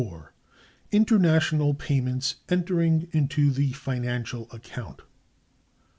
International payments entering into the "financial account."